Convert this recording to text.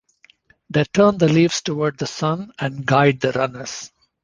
They turn the leaves toward the sun and guide the runners.